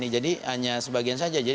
jadi hanya sebagian saja